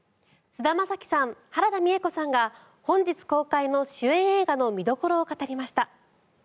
菅田将暉さん原田美枝子さんが本日公開の主演映画の見どころを語りました。